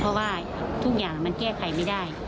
เพราะว่าทุกอย่างมันแก้ไขไม่ได้